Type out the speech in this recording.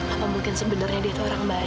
apa mungkin sebenarnya dia orang baik ya